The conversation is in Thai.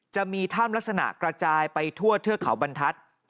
จะมีถ้ำลักษณะกระจายไปทั่วเทือกเขาบรรทัศน์